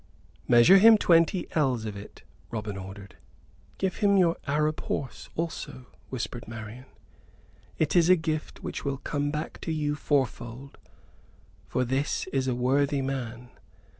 "Measure him twenty ells of it," Robin ordered. "Give him your Arab horse also," whispered Marian; "it is a gift which will come back to you fourfold, for this is a worthy man.